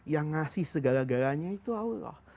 yang ngasih segala galanya itu allah